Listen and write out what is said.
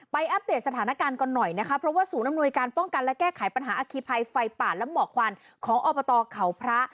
อัปเดตสถานการณ์กันหน่อยนะคะเพราะว่าศูนย์อำนวยการป้องกันและแก้ไขปัญหาอาคีภัยไฟป่าและหมอกควันของอบตเขาพระ